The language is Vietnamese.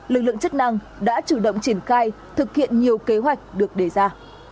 lực lượng chức năng đã chủ động triển khai thực hiện nhiều kế hoạch được đề ra